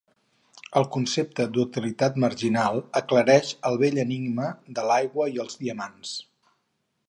El concepte d'utilitat marginal aclareix el vell enigma de l'aigua i els diamants.